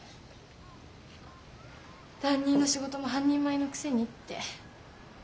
担任の仕事も半人前のくせにって。